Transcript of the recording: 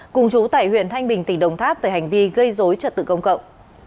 cùng chú tại huyện thanh bình tỉnh đồng tháp về hành vi gây dối trật tự công cộng